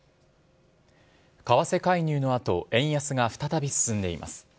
為替介入のあと、円安が再び進んでいます。